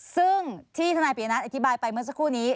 ซึ่งที่ธนายปียนัทอธิบายไปเมื่อสักครู่นี้